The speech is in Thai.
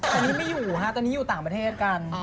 ตอนนี้ไม่อยู่ฮะตอนนี้อยู่ต่างประเทศกัน